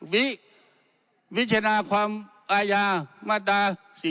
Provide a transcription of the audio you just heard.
วิวิจารณาความอาญามาตรา๔๖